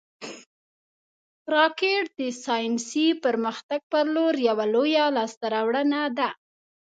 راکټ د ساینسي پرمختګ پر لور یوه لویه لاسته راوړنه ده